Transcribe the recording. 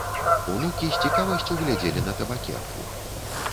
Унукі з цікавасцю глядзелі на табакерку.